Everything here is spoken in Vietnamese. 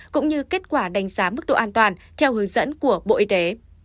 cũng như kết quả đánh giá mức độ an toàn theo hướng dẫn của bộ y tế